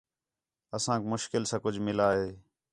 اسانک مُشکل ساں کُج مِلا ہِے